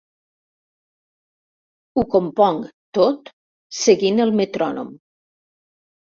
Ho componc tot seguint el metrònom.